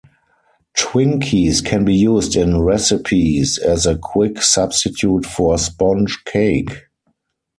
Twinkies can be used in recipes as a quick substitute for sponge cake.